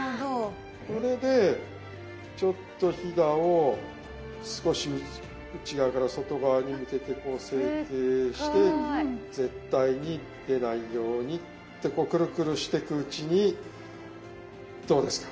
これでちょっとひだを少し内側から外側に向けてこう成形して絶対に出ないようにってこうクルクルしてくうちにどうですか？